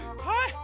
はい。